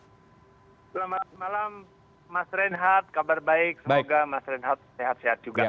selamat malam mas renhat kabar baik semoga mas renhat sehat sehat juga